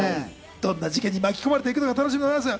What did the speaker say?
どんな事件に巻き込まれているのか楽しみです。